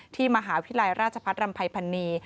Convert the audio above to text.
มหาวิทยาลัยราชพัฒนรำภัยพันนี